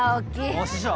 お師匠。